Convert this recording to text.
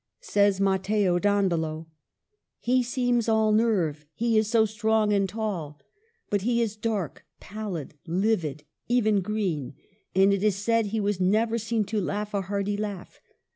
Says Mat teo Dandolo, — "He seems all nerve, he is so strong and tall. But he is dark, pallid, livid, — even green ; and it is said he was never seen to laugh a hearty laugh.